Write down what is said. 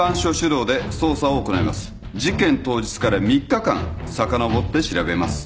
事件当日から３日間さかのぼって調べます。